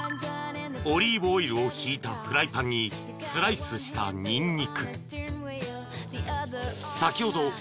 ［オリーブオイルを引いたフライパンにスライスしたニンニク先ほど